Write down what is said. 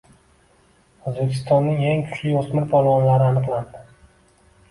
O‘zbekistonning eng kuchli o‘smir polvonlari aniqlandi